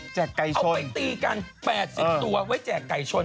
แจกไก่ชนที่เอาไปตีกัน๘๐ตัวไว้แจกไก่ชน